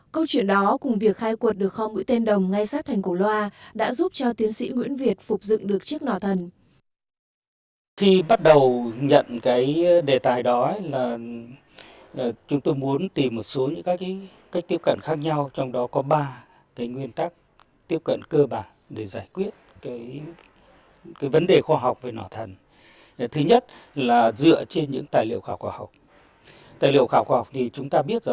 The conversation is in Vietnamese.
câu chuyện đó cùng việc khai quật được kho ngũi tên đồng ngay sát thành cổ loa đã giúp cho tiến sĩ nguyễn việt phục dựng được chiếc nỏ thần